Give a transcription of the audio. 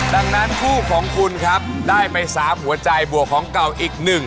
ดังนั้นคู่ของคุณครับได้ไป๓หัวใจบวกของเก่าอีก๑